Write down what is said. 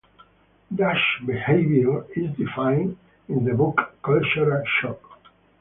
Dutch behaviour is defined in the book Culture Shock!